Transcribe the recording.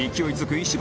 石橋